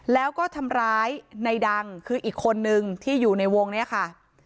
แล้วก็ทำร้ายในดังคืออีกคนนึงที่อยู่ในวงเนี่ยค่ะ